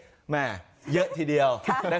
แม่เยอะทีเดียว